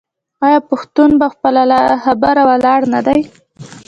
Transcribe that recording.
آیا پښتون په خپله خبره ولاړ نه دی؟